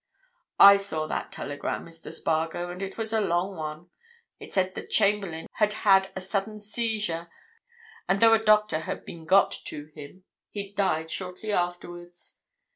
I saw that telegram, Mr. Spargo, and it was a long one. It said that Chamberlayne had had a sudden seizure, and though a doctor had been got to him he'd died shortly afterwards.